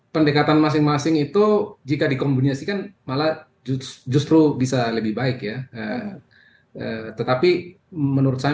pendekatan masing masing itu jika dikombinasikan malah justru bisa lebih baik ya tetapi menurut saya